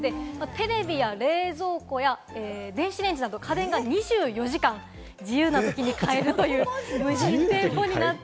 テレビや冷蔵庫や電子レンジなど家電が２４時間、自由なときに買えるという無人店舗です。